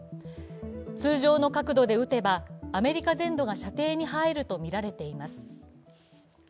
通常の角度で撃てばアメリカ全土が射程に入るとみられています。